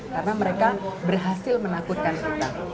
karena mereka berhasil menakutkan kita